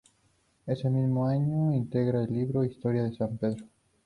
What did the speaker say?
Ese mismo año integra el libro "Historia de San Pedro"'.